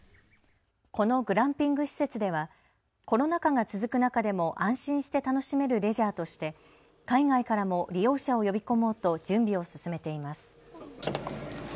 このグランピング施設ではコロナ禍が続く中でも安心して楽しめるレジャーとして海外からも利用者を呼び込もうと準備を進めています。